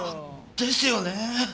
「ですよね